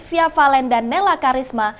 fia valen dan nela karisma